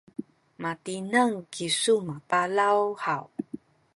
matineng kisu mapalaw haw?